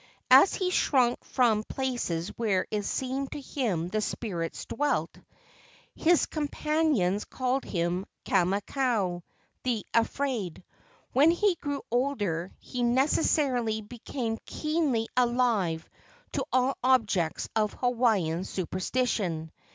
As he shrunk from places where it seemed to him the spirits dwelt, his THE OLD MAN OF THE MOUNTAIN 77 companions called him " Kamakau," " the afraid." When he grew older he necessarily became keenly alive to all objects of Hawaiian superstition.